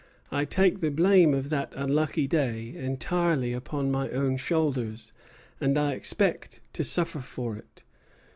I take the blame of that unlucky day entirely upon my own shoulders, and I expect to suffer for it."